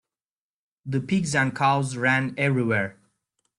The pigs and cows ran everywhere.